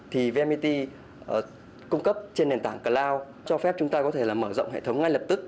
thì vnpt cung cấp trên nền tảng cloud cho phép chúng ta có thể là mở rộng hệ thống ngay lập tức